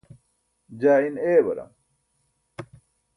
jaa in eewaram